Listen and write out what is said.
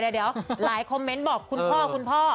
เดี๋ยวหลายคอมเมนต์บอกคุณพ่อ